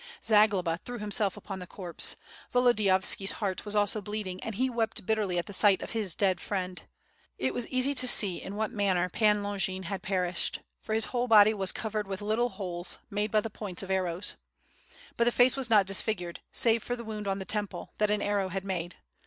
Zagloba threw himself upon the corpse. .. Volodiyovski's heart was also bleeding, and he wept bitterly at the sight of his dead friend. It was easy to see in what manner Pan Longin had perished, for his whole body was covered with little holes made by the points of arrows. But the face was not disfigured, save for the wound on the temple, that an arrow had made.